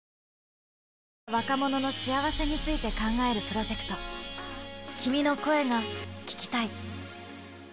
若者の幸せについて考えるプロジェクト「君の声が聴きたい」。